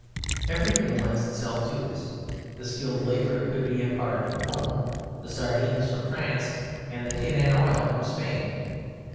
Everything lends itself to this: the skilled labour could be imparted from home, the sardines from France, and the tin and oil from Spain.